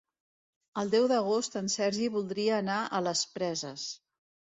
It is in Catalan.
El deu d'agost en Sergi voldria anar a les Preses.